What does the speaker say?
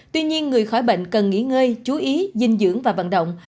tuy nhiên người khỏi bệnh cần nghỉ ngơi chú ý dinh dưỡng và vận động